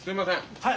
はい。